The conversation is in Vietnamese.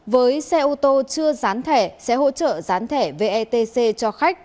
với xe ô tô chưa dán thẻ sẽ hỗ trợ dán thẻ vetc cho khách